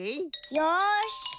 よし。